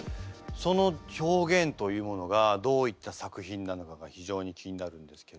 その表現というものがどういった作品なのかが非常に気になるんですけども。